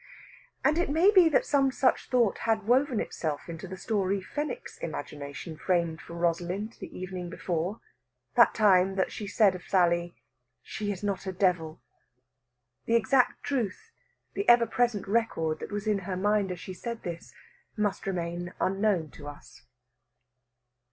And it may be that some such thought had woven itself into the story Fenwick's imagination framed for Rosalind the evening before that time that she said of Sally, "She is not a devil!" The exact truth, the ever present record that was in her mind as she said this, must remain unknown to us.